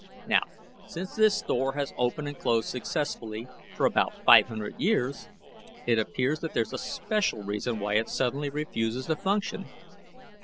Now, since this door has opened and closed successfully for about five hundred years, it appears that there's a special reason why it suddenly refuses to function.